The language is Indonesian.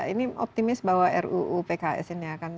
ini optimis bahwa ruu pks ini akan